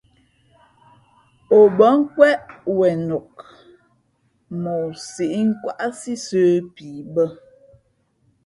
O bα̌ nkwéʼ wenok, mα o sǐʼ nkwáʼsí sə̌ pii bᾱ.